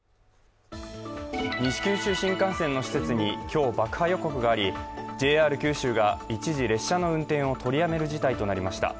西九州新幹線の施設に今日爆破予告がありＪＲ九州が一時列車の運転を取りやめる事態となりました。